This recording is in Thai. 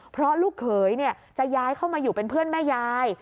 เพราะลูกเขยจะย้ายเข้ามาอยู่เป็นเพื่อนแม่ยาย